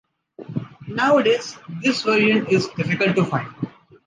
Nowadays, this version is difficult to find.